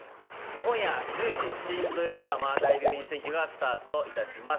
今夜１０時新土曜ドラマ『大病院占拠』がスタートいたします。